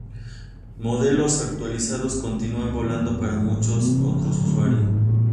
Modelos actualizados continúan volando para muchos otros usuarios.